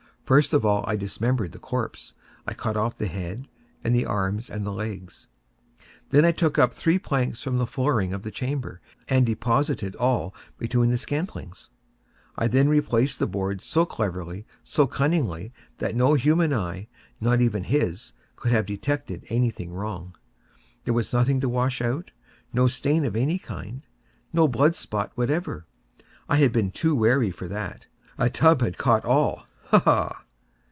First of all I dismembered the corpse. I cut off the head and the arms and the legs. I then took up three planks from the flooring of the chamber, and deposited all between the scantlings. I then replaced the boards so cleverly, so cunningly, that no human eye—not even his—could have detected any thing wrong. There was nothing to wash out—no stain of any kind—no blood spot whatever. I had been too wary for that. A tub had caught all—ha! ha!